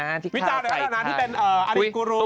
สักวิธีเดี๋ยวนะที่เป็นอะรินกูรู